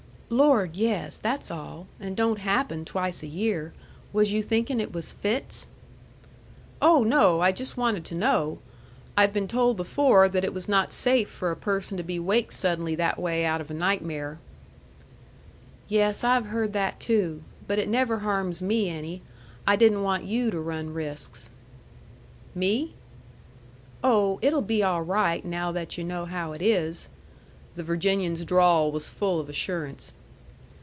"Lord, yes. That's all. And don't happen twice a year. Was you thinkin' it was fits?" "Oh, no! I just wanted to know. I've been told before that it was not safe for a person to be waked suddenly that way out of a nightmare." "Yes, I have heard that too. But it never harms me any. I didn't want you to run risks." "Me?" "Oh, it'll be all right now that yu' know how it is." The Virginian's drawl was full of assurance.